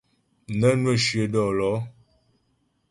Nə́ nwə́ shyə dɔ́lɔ̌.